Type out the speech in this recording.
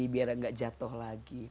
biar enggak jatuh lagi